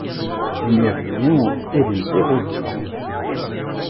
Imir-nni ur lliɣ uḍneɣ.